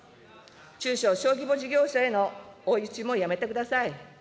中小・小規模事業者への追い打ちもやめてください。